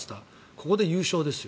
ここで優勝ですよ。